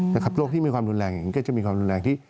แต่ครับโรคที่มีความรุนแรงอย่างนี้ก็จะมีความรุนแรงที่